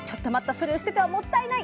それを捨ててはもったいない。